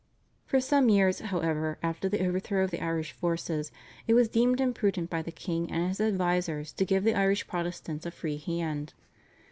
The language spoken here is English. For some years, however, after the overthrow of the Irish forces, it was deemed imprudent by the king and his advisers to give the Irish Protestants a free hand.